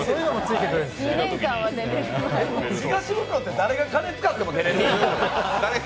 東ブクロって誰が金使っても出れるの？